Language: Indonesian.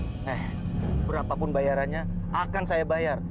eh berapapun bayarannya akan saya bayar